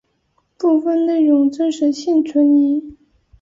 部分内容真实性存疑。